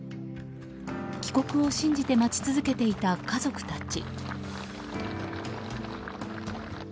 帰国を信じて待ち続けていた家族たち。